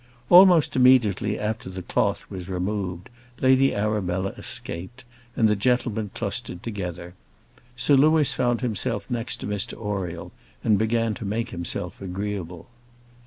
Almost immediately after the cloth was removed, Lady Arabella escaped, and the gentlemen clustered together. Sir Louis found himself next to Mr Oriel, and began to make himself agreeable.